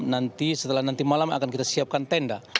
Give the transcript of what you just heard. nanti setelah nanti malam akan kita siapkan tenda